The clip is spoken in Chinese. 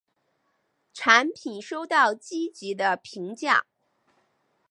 产品收到积极的评价。